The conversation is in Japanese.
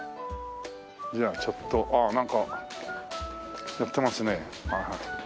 じゃあちょっとああなんかやってますね。